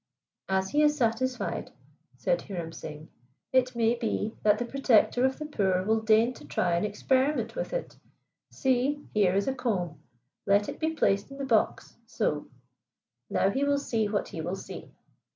"As he is satisfied," said Hiram Singh, "it may be that the Protector of the Poor will deign to try an experiment with it. See, here is a comb. Let it be placed in the box, so now he will see what he will see."